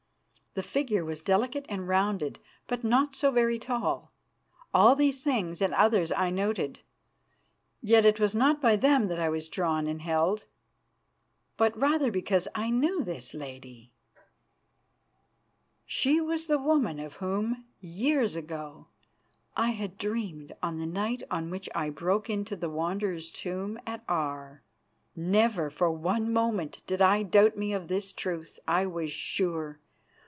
The figure was delicate and rounded, but not so very tall. All these things and others I noted, yet it was not by them that I was drawn and held, but rather because I knew this lady. She was the woman of whom, years ago, I had dreamed on the night on which I broke into the Wanderer's tomb at Aar! Never for one moment did I doubt me of this truth. I was sure.